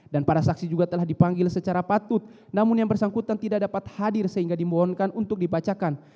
dan para saksi juga telah dipanggil secara patut namun yang bersangkutan tidak dapat hadir sehingga dimohonkan untuk dibacakan